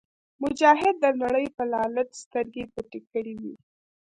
مجاهد د نړۍ پر لالچ سترګې پټې کړې وي.